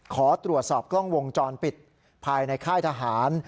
ขอตรวจสอบกล้องวงจรปิดภายในค่ายทหาร